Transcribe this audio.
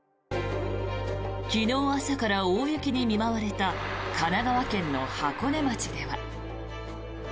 昨日朝から大雪に見舞われた神奈川県の箱根町では。